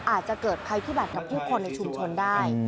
อาจจะเกิดภัยพิบัติกับผู้คนในชุมชนได้